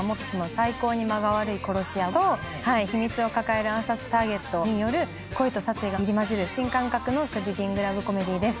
最高に間が悪い殺し屋と秘密を抱える暗殺ターゲットによる恋と殺意が入り交じる新感覚のスリリングラブコメディーです。